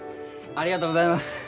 ありがとうございます。